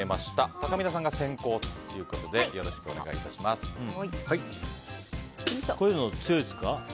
たかみなさんが先攻ということでこういうのは強いですか？